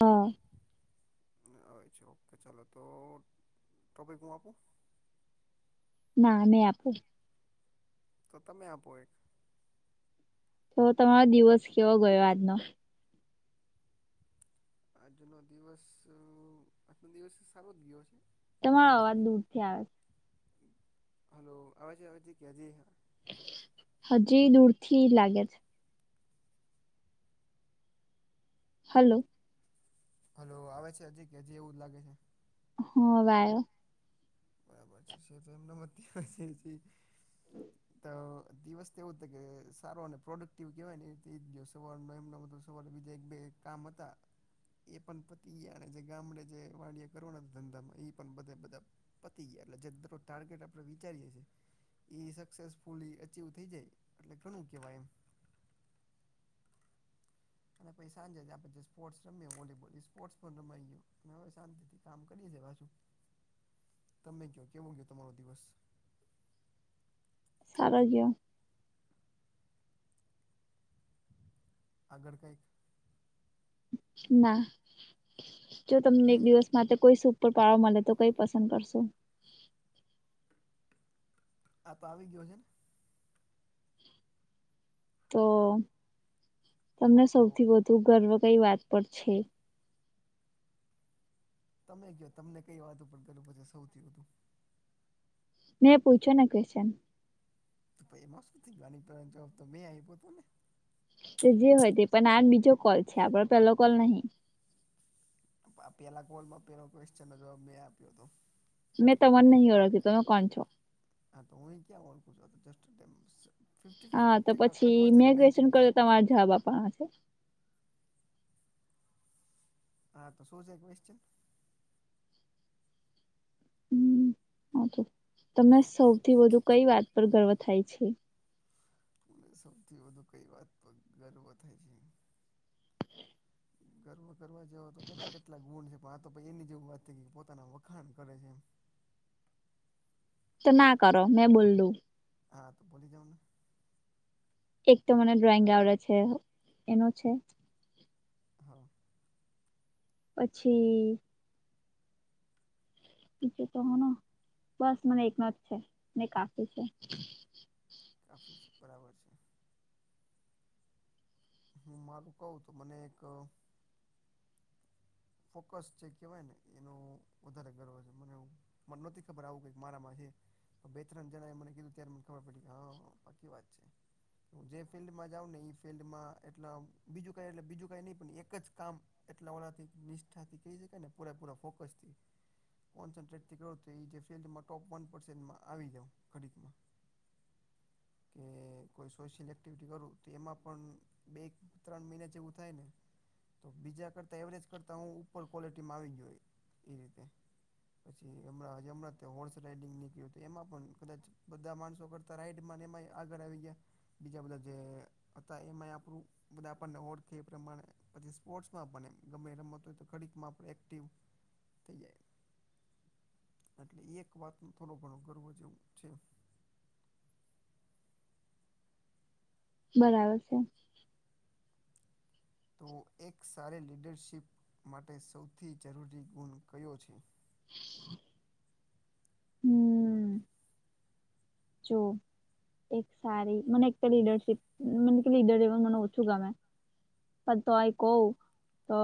હા. અ છેા ઓકે ચાલો તો ટોપિક હું આપું. ના નહી આપો. તો તમે આપો એક. તો તમારો દિવસ કેવો ગયો આજનો? આજનો દિવસ આજનો દિવસ સારો જ ગયો છે. તમારો એક અવાજ દૂર થી આવે. હલો અવાજી અવાજી ક્યા જ. હજી દૂરથી લાગે છે. હલો. હલો આવે છે હજી કે હજી એવું જ લાગે છે. હ આવે. બરાબર છે સ તો એમનેમાં તાર જ છે. હમ્મ. તો દિવસ તો એવું હત કે સારો અને પ્રોડક્ટિવ કેવાય ને તેિવ સવાધ સ બીધ એક બે કામ હતા એ પણ પતિ ગયા અને જે ગામડે જે વાડીિયા કરવાના ધંધામાં એ પણ બધે બધા પતી ગાય એટલે જ ટાર્ગેટ આપડે વિચારીએ છીએ એ સક્સેસફુલી અચવ થઈ જાય એટલે ઘણું કેહેવાય એમ. અને પી સાંજે આપણેે જે સ્પોર્ટ્સ રમીએ વોલીબોલ એ સ્પોર્ટ્સ પણ રમાઈ ગયું હવે શાંતિથી કામ કરીએ છે પાછું. [inaudible] તમે ક કેવો ગયો તમારો દિવસ? સારગયો. આગળ કઈક. ના જો તમને એક હમ દિવસ મા કોઈ સુ ઉપર પળો મળે તો કઈ પસંદ કરશો? આપ આવી ગયો છે ને. તો તમને તો સૌથી વધુ ગર્વ કઈ વાત પર છે. તમે ક તમને કઈ વાતો પણ કર્યું પછી સૌથી વધુ. નને પૂછોને ક્વેશન તો પાઈ એમાં શું થઈ જવાની જવાબ તો મેં આવ્યો હતો ને તે જે હોય તે પણ આ બીજો કોલ છે આપડો પહેલો કોલ નહીં. પેલા કોલમાં પેલો ક્વેશ્ચનનો જવાબ મેં આપ્યો હતો. મેં તમનહી હોરખતી તમે કોન છો? હા તો હુવ ક્યા ઓણખુ છે આજસ્ટફ હા તો પછી મેં ક્યુટીયોન કર તમારે જવાબ આપવાના છે હા તો શું છે ક્યુટીયોન? હમ્મ તો તમે સૌથી વધુ કઈ વાત પર ગર્વ થાય છે? અનેને સૌથી વધુ કઈ વાત પર ગર્વ થાય છે. ગર્વ કરવાર જવો તો કેટલા ગુણ છે. આ તો એની જેવું વાત થઈ કે પોતાના વખાણ કરે છે એમ. તો ના કરો મેં બોલુ. હા તો બોલી જાઓને. એક તો મને ડ્રોઈંગ આવડે છે એનો છે. હા. પછી. [unintelligible] છે તો હો બસ મને એકનાથ છે મે કાફી છે. કાફી છે બરાબર છે. હું મારું કવ તો મને એક ફોકસ જે કહેવાય ને એનું વધારે ગર્વ છે મને એવું મને નોતી ખબર આવું મારામાં હે. બે ત્રણ જણા એ મને કીધું ત્યારે મને ખબર પડી ગ હા પાકી વાત છે. હું જે ફિલ્ડમાં જાઉં ને એ ફિલ્ડમાં એટલે બીજું કાં એટલે બીજું કાંઈ નહીં પણ એક જ કામ એટલા ઓળથી નિષ્ઠાથી કહી શકાય ને પૂરાપૂરા ફોકસ થી. કોન્સનટેટ થી કર તો ઈ જે [unintelligible] ફિલ્ ટોપ વનમાં આવી જાઉ ઘડીકમાં [inaudible] કે કોઈ સોશિયલ એક્ટિવિટી કરું તો એમાં પણ બે ત્રણ મહિના જેવું થાય ને તો બીજા કરતા એવરેજ કરતાં હું ઉપર ક્વૉલિટીમાં આવી જોઈએ એ રીતે પછી હમણાં હ હમણાં ત્યાં હોર્સ રાઈડિંગ નીકળ્યું હતું એમાં પણ કદાચ બધા માણસો કરતા રાઈટમાંને એમાં આગળ આવી ગયા બીજા બધા જે અ એમાંય આપણું બધા આપણને ઓળખે એ પ્રમાણે પછી સ્પોર્ટ્સમાં પણ એમ ગમે રમત હોય તો ખડીકમાં પણ એક્ટિવ થઈ જાય. એટલે એ એક વાતનો થોડો ઘણો ગર્વ જે એવું છે. બરાબર છે. તો એક સારી લીડરશિપ માટે સૌથી જરૂરી ગુણ કયો છે. હમ જો. એક સારી મને એક તો લીડરશીપ મ કે લીડર જેવ મને ઓછું ગમે પણ તો અ કહ તો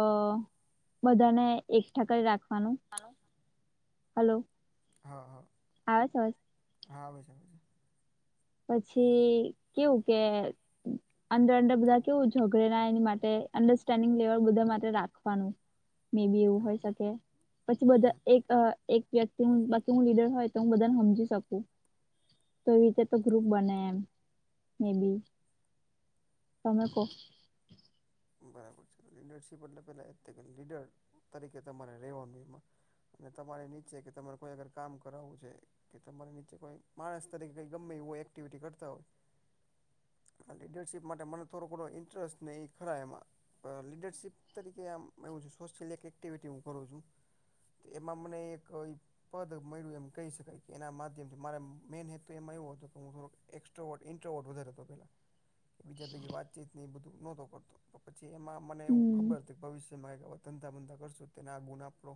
બધાને એકસ્ટઠા કરી રાખવાનું. હલો. હલો. હા હા આવે છે અવાજ હા આવે છે છે પછી કેવું કે અંદર અંદર બધા કેવું ઝઘડે ના એની માટે અંડરસ્ટેન્ડિંગ લેવલ બધા માટે રાખવાનું. મે બી એવું છે હોય હા શકે પછી બધા હમ એક એક વ્યક્તિ બાકી લીડર હોય તો હું બધાને સમજી શકું તો એવી રીતે તો ગ્રુપ બને એમ મે બી તમે કહો બરાબર છે લીડરશીપ એટલે પેલા એ લીડર તરીકે તમારે લેવાનું એમાં અને તમારે નીચે કે તમારે કોઈ અગર કામ કરાવવું છે. કે તમારે નીચે કોઈ માણસ તરીકે કઈ ગમે એવું એક્ટિવિટી કરતા હોય. આ લીડરશીપ માટે મને થડો ઘણો ઇન્ટરેસ્ટ નહીં ખરા એમાં લીડરશીપ તરીકે આમ એવું છે સોશિયલ એક એક્ટિવિટી હું કરું છું. તે એમા મને એક કો પદ મળ્યું એમ કહી શકાય કે એના માધ્યમથી મારા મેઈન હેતુ એમાં એવો હતો કે હું એક ત્રો ઇન્ટો વધારે તો પેલા. [inaudible] બીજા ભેગી વાતચીત ની એ બધું નહોતો કરડતો પછી એમાં મને એવું હમ ખબર હતી કે ભવિષ્ય ધંધા બંધા કરશું તેને આ ગુણ આપણો.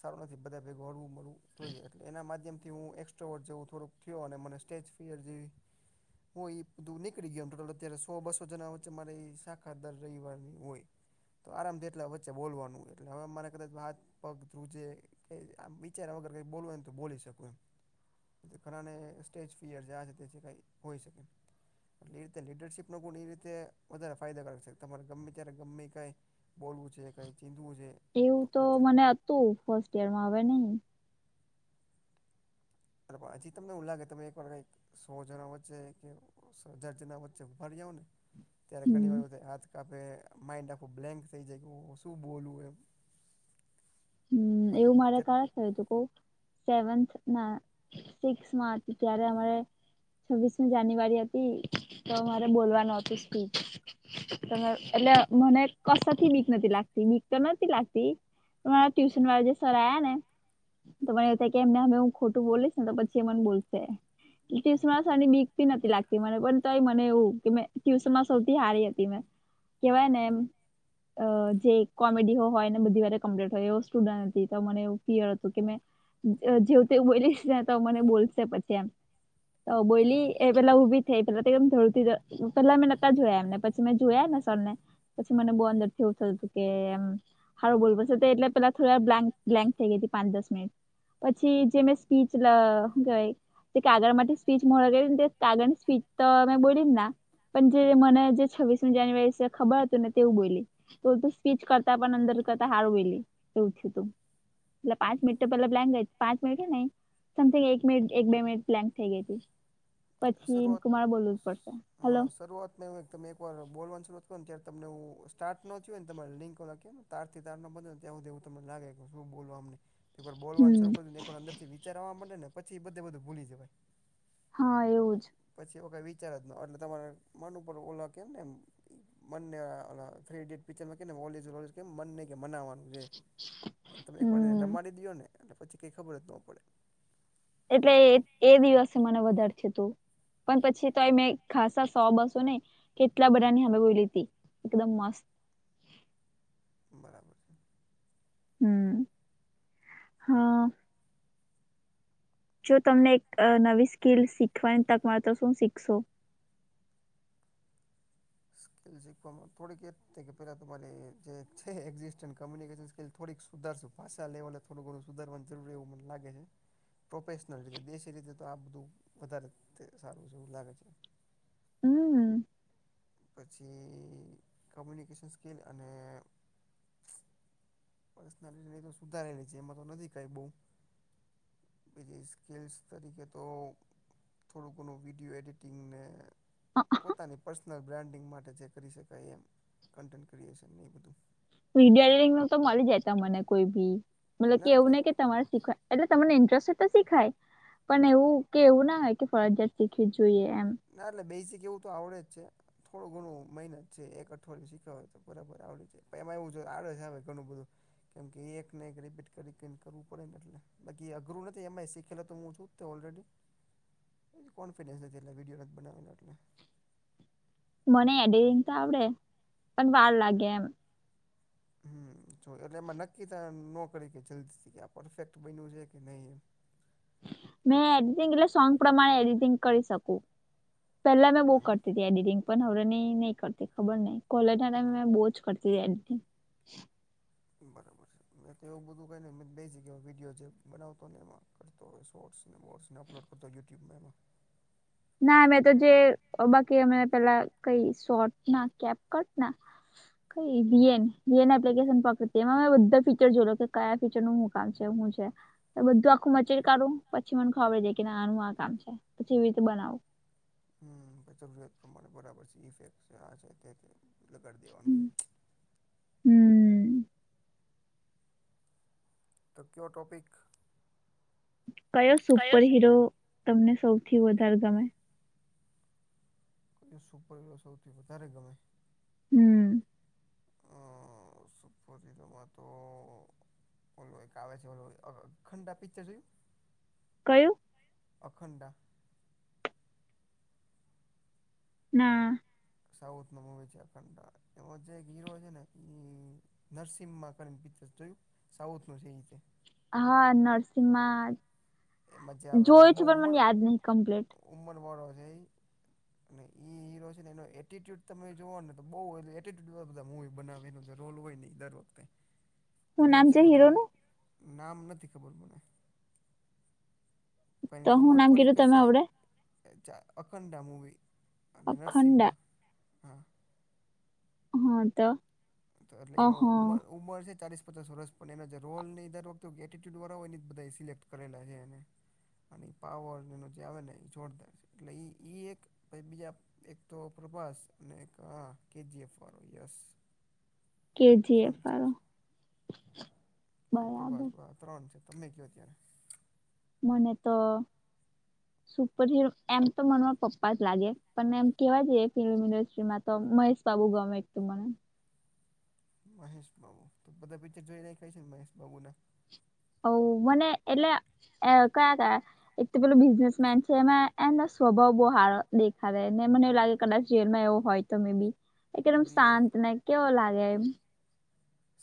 સારું નથી બધા ભેગું હળવું મળવું જોઈએ એટલે એના માધ્યમથી હું એ એકસ્ટ્રા વર્ડ જવું થોડુક થયો અને મને સ્ટેજ ફિયર જેવી હું એ બધું નીકળી ગયો ટોટલ અત્યારે સો બસો જણા વચ્ચે મારે ઈ શા ખાધર રહીવાની હોય. તો આરામથી એટલે વચ્ચે બોલવાનું એટલે હવે મારે કદાચ વાત પગ ધ્રુજે. આ વિચારમાં વગર કઈ બોલવાન હોયને તો બોલી શકું એમ. ઘરાને સ્ટેજ ફિયર જે આ છે તે છે કઈ હોય શકે. એટલે એ રીતે લીડરશીપ નો ગુણ એ રીતે વધારે. ફાયદાકારક છે. તમારે ગમે ત્યારે ગમે કાંઈ બોલવું છે, કંઈ ચીંધવું છે. એવું તો મને હતું ફર્સ્ટ યરમાં હવે નહિ. હજી તમને એવુ લાગે તમે એક વાર કઈક સોજણ વચે કે જજના વચ્ચે ઉભા રયો ને ત્યારે હમ ઘણી વાર હાથ કાપે, માઇન્ડ આખો બ્લેન્ક થઈ જાય, શું બોલું એમ. હમ્મ, પણ એવું મારે ચટ તો સેવન્થ ના સિક્સમાં હતી ત્યારે હવે છવ્વીસમી જાન્યુઆરી હતી, તો મારે બોલવાનું હતું સ્પીચ. હા એટલે મને કશથી મીક નથી લાગતી મીક તો નથી લાગતી. [unintelligible] ટ્યુશન વાળા જે સર આયા ને તો મને એવું થ કે એમને હું ખોટું બોલીશ ને તો પછી એ મને બોલશે. [unintelligible] નથી લાગતી મને પણ મને એવું કે મે ટ્યુશનમાં સૌથી હારી હતી મે. કેવાય ને એમ, જે કોમેડી હો હોય ને બધી વારે સ્ટુડન્ટ હતી તો મને એવ હતું કે મે જેવું તેવું બોલીશ ને તો મને બોલશે પછી એમ. તો બોલી હા એ પેલા ઉભી થઈ [unintelligible] પેલા મેં નતા જોયા એમને પછી મેં જોયા ને સરને પછી મને બહુ અંદર થીવું થતું હતું કે એમ સારો બોલ એટલે પેલા થી બ્લેક બ્લેન્ક થઈ ગઈ પાચ દસ મિનિટ પછી જે પીચલા શું કેવાય. તે કાગળ માટેથી સ્પીચ મો ગે ને તે કાગળ ની સ્પીચ તો મે બોલી ના. પણ જે મને જે છવ્વીસમી જાન્યુઆરી છે ખબર મેં તો એ બોલી સ્ટેટિસ્ટિક કરતા અંદર કરતા હમ્મ, એક સેકન્ડ, એ પાંચ મિનિ પેલા પ્લાંગે પાંચ મિનિટ હેને સમિંગ એક મિનિટ એક બે મિનિટ પ્લા થઈ ગઈ હતી. પછી સર્વાત, મારે બોલવું જ પડશે હા હલો સર્વાત તમે એક વાર બોલવાનું શત ને ત્યારે તમનેું સ્ટાર્ટ નો હોયને લિંકો ઓ લખી ને. તારથી તાર ન બને ને ત્યાં સુધી એવુ તમને લાગે કે શું બોલ આમને. એકવાર બોલવાનું હમ શરૂ કર દું ને એકવર અંદરથી વિચારવા માટેડ ને પછી બધે બધું ભૂલી જવાય. હા એવું જ. પછી એ કઈ વિચાર જ ન આ. એટલે તમારે મન પડ ઓલા કેમ ને એમ. મને થ્રીટ પિક્ચર મને કે મનાવાનું. જે એમ તમે એકવાર એને હમ રમાડી દો ને એટલે પછી કંઈ ખબર જ ન પડે. એટલે એ દિવસે મને વધારે છે તું. પણ પછી તો મેં ખાસા સો બસો ને કેટલા બધાની હમે લીધી. એકદમ મસ્ત. બરાબર છે. હમ હા. જો તમને એક નવી સ્કીલ શીખવાની તક મળ તો શું શીખશો. સ્કીિલ શીખવામાં થોડીક એ કે પેલા તમારી જે છે એક્ઝિસ્ટન્ટ કમ્યુનિકેશન સ્કિલ થોડીક. સુધારશું પાશા લેવલે થોડું ઘણું સુધારવાનું જરૂરી એવું મને લાગે હે. પ્રોફેશનલ રીતે દેશી રીતે તો આ બધું વધારે સારું છે એવું લાગે છે. હમ્મ. પછી કમ્યુનિકેશન સ્કિલ અને પર્સનાલિટી તો સુધારેલી છે એમાં તો નથી કઈ બઉ. બીજી સ્કિલ્સ તરીકે તો થોડું કોનો વિડિયો એડિટિંગને. પોતાની પર્સનલ બ્રાન્ડિંગ માટે જે કરી શકાય એમ કન્ટેન્ટ ક્રિએશન નહી એ બધું. વિડીયો એ નું તો મળી જાય ત મને કોઈ બી મતલબ કે ના એવું એટલે નને કે તમારે શીખવા. એટલે તમને ઇન્ટરેસ્ટ તો સીખાય પણ એવું કે એવું ના હોય કે ફરજિયાત શીખવી જોઈએ એમ? ના એટલે બેઝિક એવું તો આવડે જ છે. થોડું ઘણું મહેનત છે એક અઠવાડય શીખવાય તો બરાબર આવડી જાય. પ એમાં એવું જો આડે છે હ ઘણું બધું કેમ કે એક ને એક રિપીટ કરી કરવું પડે ને એટલે. બાકી અઘરું નથી એમાં એ શીખેલ હતું હું છું તે ઓલરેડી કોન્ફિડન્સ નથી. એ વિડીયોગ નથી બનાવેને. મને એડિટિંગ તો આવડે પણ વાર લાગે એમ. હમ જો એટલે એમાં નક્કી થ ન કરી કે જલ્દીથી કે આ પરફેક્ટ બન્યું છે કે નહીિ એમ. મેં એડિટિંગ એટલે સોંગ પ્રમાણે એડિટિંગ કરી શકું પેલા મેં બહ કરતી. એડિટિંગ પણ હવર ન નહી કરતી ખબર ન કોલર બહુ જ કરતી એડિટિંગ. બરાબર છે. મે તો એવું બધું ક બે વિડીયો બનાવતોને એમાં કરતોયોર્ને શોર્ટ્સ ને બોટ્સ ને અપલો કરતા યુટ્યુબમાં એમાં. ના મે તો જે બાકી અમે પેલા કઈ શોટ ના કેપ કટ ના કઇ વીએન એપ્લિકેશન પકડમાં બધા ફીચર જોલો કે કયા ફીચરનું કાલ છે હું છે. બધું આખું મચેર કરાવું પછી મને ખબર જે કે આનું આ કામ છે પછી એવી રીતે બનાવું હમછ જરૂરિયાત પ્રમાણે બરાબર છે ઇફેક આ છે તે લગાડી દેવાનું હમ તો કેયો ટૉપિક? કયો સુપર હિરો તમને સૌથી વધારે ગમે? સુપર હીરો સૌથી વધારે ગમે? હમ આ સુપર હેરો માતો ઓલો એક આવે છે ઓલો આખંડા પિક્ચર જોઈએ? કયું? અખંડા? ના સાઉથ નું મોવી છે અખંડા એમાં જે એક હીરો છે ને એ નરસિંમાં કરીને પિક્ચર છે જોયું સાઉથ નું છે એ રીતે હા નર્સિંગમાં એમાં જોવે છે પણ મને યાદ નહિ કમ્પ્લીટ. ઉમર વાળો છે એ. અને એ હીરો છે ને એનો એટીટ્યુડ તમે જોઓ ને તો બઉુ એ એટ્યુડ બધા મવી બનાવી જો રોલ હોય ને એ દર વખતે. [inaudible] ઉંમર નામ છે વધારે હીરોનું નામ નથી ખબર મને. પહે તો હું ઉમર નામ થોડીક કીધું તમે હસે. આવડે ચ અખંડા મૂવી અને અખંડા નરસિમ્મા હા હ તો. તો એટલે એનો અહ ઉમર ઉમર છે ચાલીસ પચાસ વર્ષ પણ એના જે રોલની ઈ દર વખતે એટીટ્યુડવાળા હોય ને ઈ બધા જ સિલેક્ટ કરેલા હે એને. અને એ પાવર એનો જે આવે ને એ જોરદાર છે એટલે એ એ એક પ બીજા એક તો પ્રભાસ અને એક કેજીએફ વાળો યસ. કેજીએફ ત્રણ વાળો ચાર પ્રભાસ બરાબર બા ત્રણ છે તમે કયો ત્યારે. મને તો સુપર હીરો એમ તો મનમાં પપ્પા જ લાગે પણ એમ કેવા જઈ ફિલ્મ ઇન્ડસ્ટ્રીમાં. તો મહેશ બાબુ ગમે એક તું મને મહેશબાબુ તો બધા પિક્ચર જોઈ રાયખા હશે ન મહેશબાબુના? અવ મને એટલે એ કયા-કયા? એક તો પેલું બિઝનેસમેન છે એમાં એમનો સ્વભાવ બહુ હારો દેખાવે ને મને એવું લાગે કદાચ જેલમાં એવું હોય. તો મે બી એકદમ બે શાંતને કેવો લાગે એમ?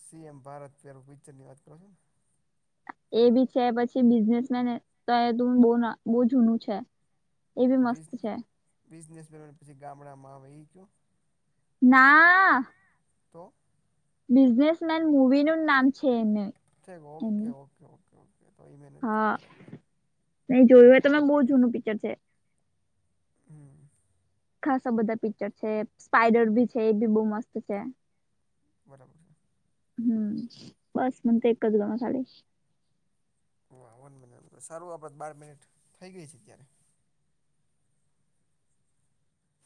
સી એમ ભારત [unintelligible] પિચ્ચરની વાત કરો હો ને? એ બી છે પછી બિઝનેસમેન તો તું ના બ બઉ જૂનું છે. એ બી મસ્ત બિઝ છે બિઝનેસમેનને પછી ગામડામાં આવે ઈ કયો? ના. તો? બિઝનેસમેન મૂવીનું જ નામ છે એને. અચ્છા ઓકે એનું ઓકે ઓકે ઓકે તો ઈ મે નથ જોઈ બરાબર હે. નઈ જોયું હોય તમે બઉ જૂનું પિક્ચર છે. હમ્મ. ખાસા બધા પિક્ચર છે, સ્પાઈડર ભી છે એ બી બઉ મસ્ત છે. બરાબર છે. હમ્મ, બસ મને તો એક જ ગમે ખાલી. હ વન મિનટ સારું આપડે બાર મિનિટ થઈ ગઈ છે ત્યારે.